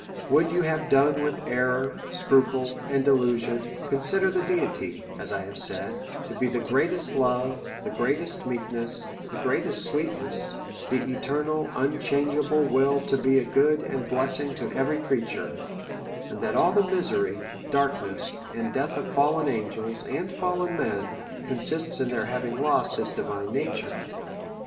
Would you have done with error, scruple, and delusion, con sider the Deity (as I have said) to be the greatest love, the greatest meekness, the greatest sweetness; the eternal unchangeable will to be a good and blessing to every creature ; and that all the misery, darkness, and death of fallen angels, and fallen men, consists ia their having lost this divine nature.